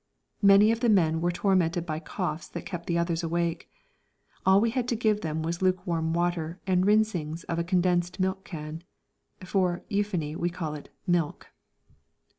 Many of the men were tormented by coughs that kept the others awake. All we had to give them was lukewarm water and the rinsings of a condensed milk tin. (For euphony we called it "milk.")